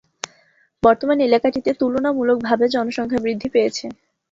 বর্তমানে এলাকাটিতে তুলনামূলকভাবে জনসংখ্যা বৃদ্ধি পেয়েছে।